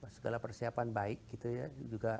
segala persiapan baik gitu ya juga